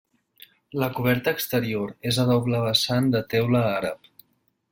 La coberta exterior és a doble vessant de teula àrab.